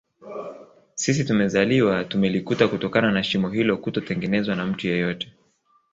Sisi tumezaliwa tumelikuta kutokana na shimo hilo kutotengenezwa na mtu yeyote